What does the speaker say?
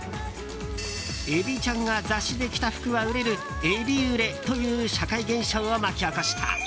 エビちゃんが雑誌で着た服は売れるエビ売れという社会現象を巻き起こした。